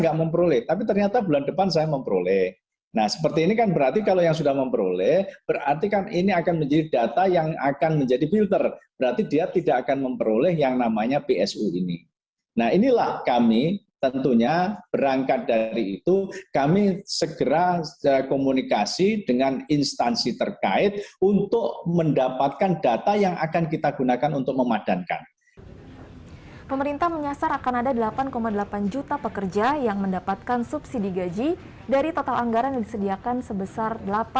kementerian tenaga kerja tengah mengejar terselesaikannya regulasi dalam bentuk peraturan menteri tenaga kerja permenaker